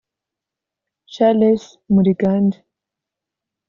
Charles Muligande